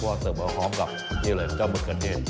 เพราะว่าเสิร์ฟกับที่เหลือมะการเดช